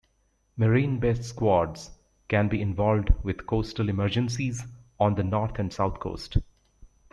Marine-based squads can be involved with coastal emergencies on the north and south coast.